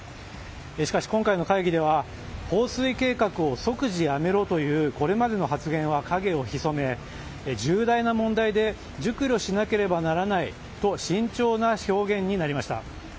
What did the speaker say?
しかし今回の会議では放水計画を即時やめろというこれまでの発言は影をひそめ重大な問題で熟慮しなければならないと慎重な表現になりました。